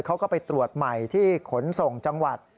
เขาก็ไปตรวจใหม่ที่ขนส่งจังหวัด